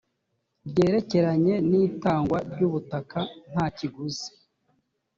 ryerekeranye n itangwa ry ubutaka nta kiguzi